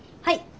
はい。